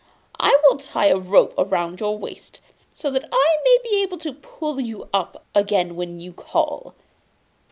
I will tie a rope round your waist, so that I may be able to pull you up again when you call.